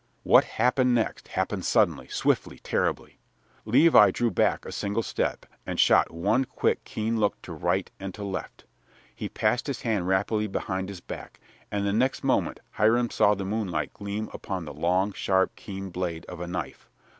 What next happened happened suddenly, swiftly, terribly. Levi drew back a single step, and shot one quick, keen look to right and to left. He passed his hand rapidly behind his back, and the next moment Hiram saw the moonlight gleam upon the long, sharp, keen blade of a knife.